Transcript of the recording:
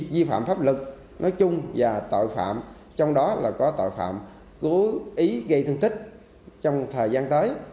vi phạm pháp luật nói chung và tội phạm trong đó là có tội phạm cố ý gây thương tích trong thời gian tới